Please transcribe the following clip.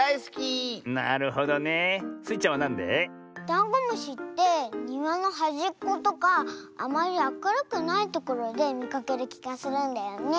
ダンゴムシってにわのはじっことかあまりあかるくないところでみかけるきがするんだよね。